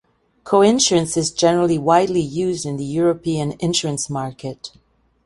Coinsurance is generally widely used in the European insurance market.